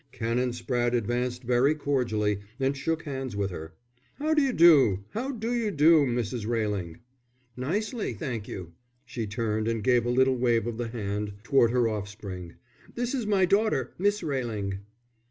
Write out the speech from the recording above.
Canon Spratte advanced very cordially and shook hands with her. "How d'you do. How d'you do, Mrs. Railing." "Nicely, thank you." She turned and gave a little wave of the hand toward her offspring. "This is my daughter, Miss Railing."